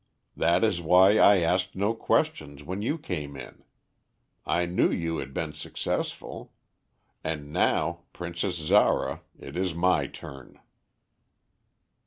That is why I asked no questions when you came in. I knew you had been successful. And now, Princess Zara, it is my turn."